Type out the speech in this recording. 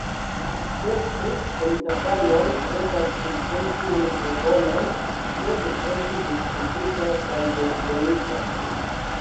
Se tri komitatanoj pretas subteni tiun proponon, ĝi devus esti diskutita kaj voĉdonita.